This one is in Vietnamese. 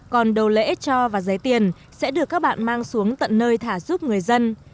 còn đầu lễ cho và giấy tiền sẽ được các bạn mang xuống tận nơi thả giúp người dân